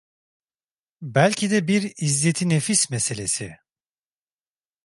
Belki de bir izzetinefis meselesi…